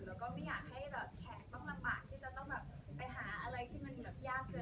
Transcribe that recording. แล้วก็ไม่อยากให้แบบแขกต้องลำบากที่จะต้องแบบไปหาอะไรที่มันแบบยากเกิน